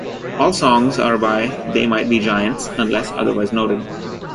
All songs are by They Might Be Giants unless otherwise noted.